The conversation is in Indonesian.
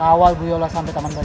awal bu yola sampai taman bacaan